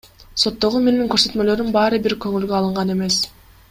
Соттогу менин көрсөтмөлөрүм баары бир көңүлгө алынган эмес.